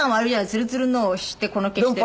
ツルツルのをしてこの毛しているわけ？